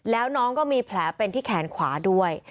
แล้วน้องก็มีแผลเป็นที่แขนขวาด้วย